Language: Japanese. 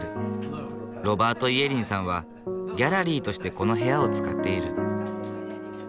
ロバート・イエリンさんはギャラリーとしてこの部屋を使っている。